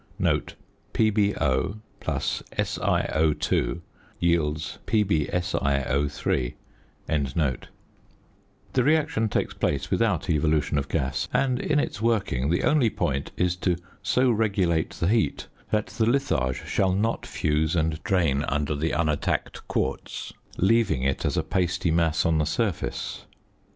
The reaction takes place without evolution of gas, and in its working the only point is to so regulate the heat that the litharge shall not fuse and drain under the unattacked quartz, leaving it as a pasty mass on the surface.